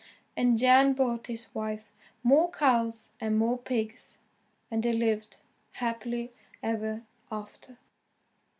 And Jan bought his wife more cows, and more pigs, and they lived happy ever after.